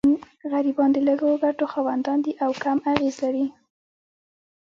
غریبان د لږو ګټو خاوندان دي او کم اغېز لري.